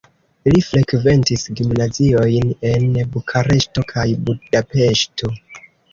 Li frekventis gimnaziojn en Bukareŝto kaj Budapeŝto.